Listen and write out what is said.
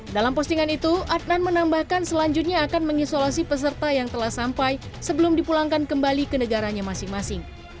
dalam postingan itu adnan menambahkan selanjutnya akan mengisolasi peserta yang telah sampai sebelum dipulangkan kembali ke negaranya masing masing